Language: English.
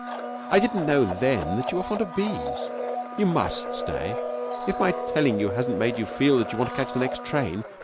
I didn't know then that you were fond of bees. You must stay, if my telling you hasn't made you feel that you want to catch the next train.